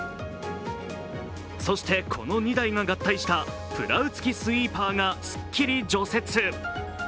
そして、この２台が合体したプラウ付きスイーパーがすっきり除雪。